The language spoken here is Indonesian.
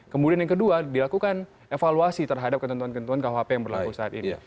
kemudian yang kedua dilakukan evaluasi terhadap ketentuan ketentuan kuhp yang berlaku saat ini